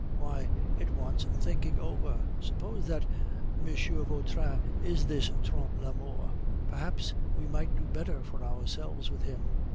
"Why, it wants thinking over. Suppose that M. Vautrin is this Trompe la Mort, perhaps we might do better for ourselves with him.